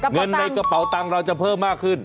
เงินในกระเป๋าตังค์เราจะเพิ่มมากขึ้น